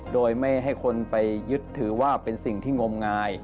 โดยไม่ให้คนไปยึดถือว่าเป็นสิ่งที่งมงาย